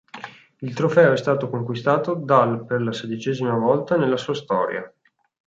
Il trofeo è stato conquistato dal per la sedicesima volta nella sua storia.